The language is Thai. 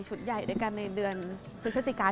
ชุดใหญ่ด้วยกันในเดือนพฤษศรศัตริกา